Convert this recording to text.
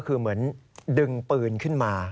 คือเหมือนดึงปืนขึ้นมา